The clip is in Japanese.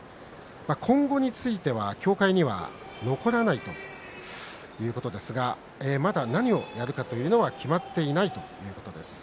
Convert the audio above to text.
今後については協会には残らないということですがまだ何をやるかというのは決まっていないということです。